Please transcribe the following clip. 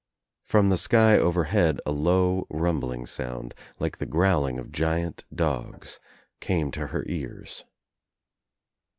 From the sky overhead a low rumbling sound, like the growling of giant dogs, came to her ears.